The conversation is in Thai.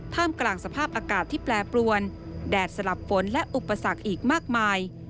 กลางสภาพอากาศที่แปรปรวนแดดสลับฝนและอุปสรรคอีกมากมาย